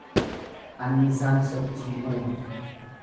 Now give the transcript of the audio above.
Annisaan sochii uuma.